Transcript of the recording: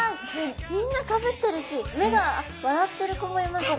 みんなかぶってるし目が笑ってる子もいますね。